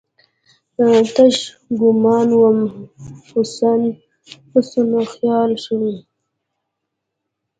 تش ګومان وم، حسن وخیال شوم